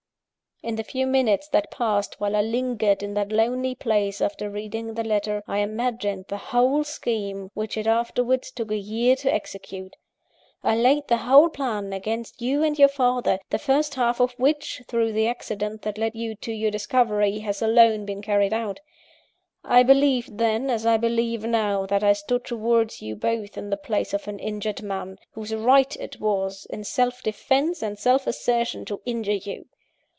_ "In the few minutes that passed, while I lingered in that lonely place after reading the letter, I imagined the whole scheme which it afterwards took a year to execute. I laid the whole plan against you and your father, the first half of which, through the accident that led you to your discovery, has alone been carried out. I believed then, as I believe now, that I stood towards you both in the place of an injured man, whose right it was, in self defence and self assertion, to injure you.